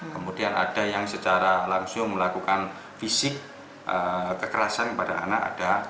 kemudian ada yang secara langsung melakukan fisik kekerasan kepada anak ada